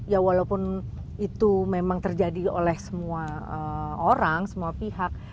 ya walaupun itu memang terjadi oleh semua orang semua pihak